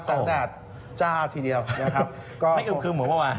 แดดจ้าทีเดียวนะครับก็ไม่อึมครึมเหมือนเมื่อวาน